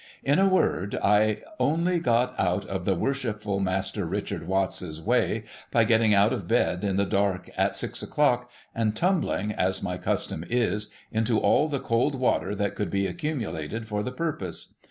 Li a word, I only got out of the Worshipful Master Richard Watts's way by getting out of bed in the dark at six o'clock, and tumbling, as my custom is, into all the cold water that could be accumulated for the purpose.